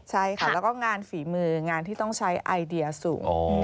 ใช่ค่ะแล้วก็งานฝีมืองานที่ต้องใช้ไอเดียสูง